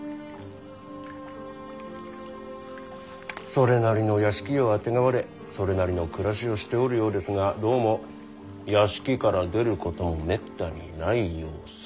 それなりの屋敷をあてがわれそれなりの暮らしをしておるようですがどうも屋敷から出ることもめったにない様子。